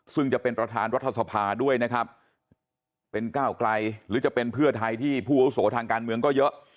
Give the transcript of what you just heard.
ซึ่งจะเป็นประธานรัฐสภาด้วยนะครับเป็นก้าวไกลหรือจะเป็นเพื่อไทยที่ผู้อาวุโสทางการเมืองก็เยอะ